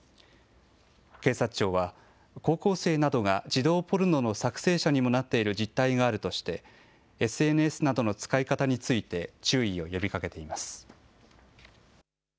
警察庁は、高校生などが児童ポルノの作成者にもなっている実態があるとして、ＳＮＳなどの使い方について注意を呼びかけています。